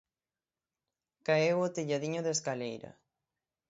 Caeu o telladiño da escaleira.